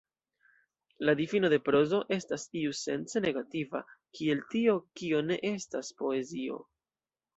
La difino de prozo estas iusence negativa, kiel tio, kio ne estas poezio.